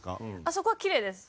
そこはきれいです。